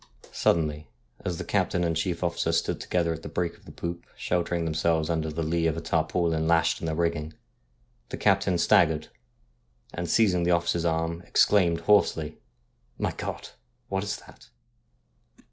Suddenly as the captain and chief officer stood together at the break of the poop sheltering themselves under the lee of a tarpaulin lashed in the rigging, the captain stag gered, and seizing the officer's arm exclaimed hoarsely :' My God ! what is that